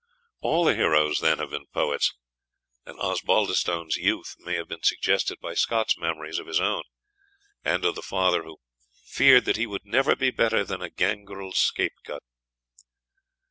All the heroes, then, have been poets, and Osbaldistone's youth may have been suggested by Scott's memories of his own, and of the father who "feared that he would never be better than a gangrel scrapegut."